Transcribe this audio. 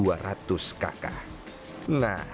nah warga hanya perhatikan